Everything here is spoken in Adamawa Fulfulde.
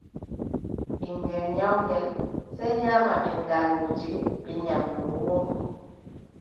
Ɓiŋngel nyawngel , sey nyaama ɓenndalooje bee nyaamdu woondu.